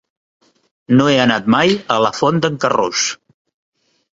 No he anat mai a la Font d'en Carròs.